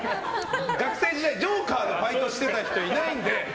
学生時代、ジョーカーのバイトしてた人いないんで。